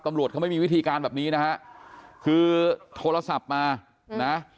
ตำรวจเขาไม่มีวิธีการแบบนี้นะฮะคือโทรศัพท์มานะ